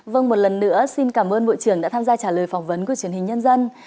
vâng một lần nữa xin cảm ơn bộ trưởng đã tham gia trả lời phỏng vấn của truyền hình nhân dân